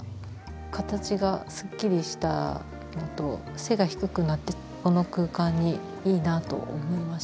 形がすっきりしたのと背が低くなってこの空間にいいなと思いました。